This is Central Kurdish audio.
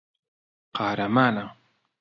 قارەمانە.